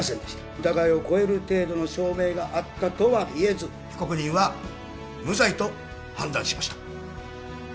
疑いを超える程度の証明があったとは言えず被告人は無罪と判断しました。